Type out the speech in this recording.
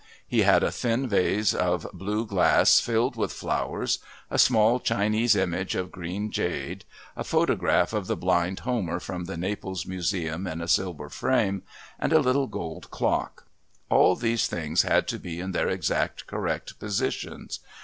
He had a thin vase of blue glass filled with flowers, a small Chinese image of green jade, a photograph of the Blind Homer from the Naples Museum in a silver frame, and a little gold clock; all these things had to be in their exactly correct positions.